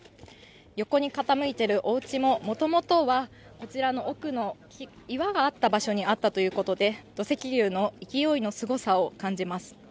横に傾いているおうちももともとはあちらの奥の岩があった場所にあったということで、土石流の勢いのすごさを感じます。